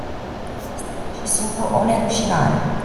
Este pur și simplu o nerușinare...